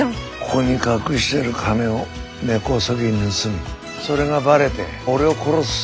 ここに隠してる金を根こそぎ盗みそれがばれて俺を殺す。